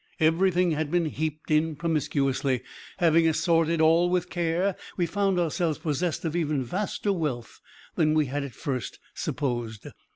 Everything had been heaped in promiscuously. Having assorted all with care, we found ourselves possessed of even vaster wealth than we had at first supposed.